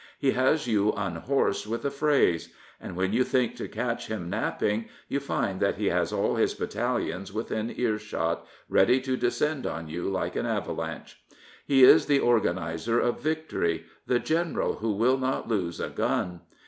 He has you unhorsed with a phrase. And when you think to catch him napping, you find that he has all his battalions within earshot, ready to descend on you like an avalanche. He is the organiser of victory, the general who will not lose a gun.